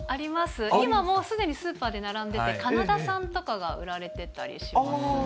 今もうすでにスーパーで並んでて、カナダ産とかが売られてたりしますね。